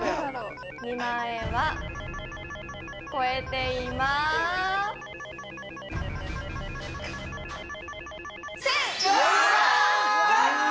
２万円は超えていません！